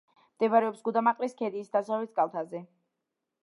მდებარეობს გუდამაყრის ქედის დასავლეთ კალთაზე.